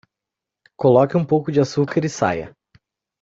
Coloque um pouco de açúcar e saia.